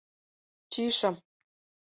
Чийышым...